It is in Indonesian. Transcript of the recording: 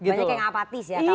banyak yang apatis ya